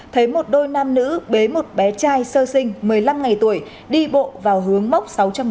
thấy một đôi nam nữ bế một bé trai sơ sinh một mươi năm ngày tuổi đi bộ vào hướng mốc sáu trăm một mươi